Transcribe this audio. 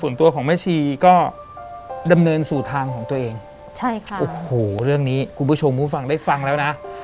ส่วนตัวของแม่ชีก็ดำเนินสู่ทางของตัวเองใช่ค่ะโอ้โหเรื่องนี้คุณผู้ชมผู้ฟังได้ฟังแล้วนะ